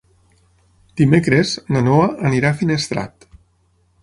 Dimecres na Noa anirà a Finestrat.